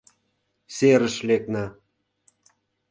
Серыш лекна.